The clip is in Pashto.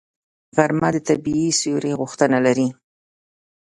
غرمه د طبیعي سیوري غوښتنه لري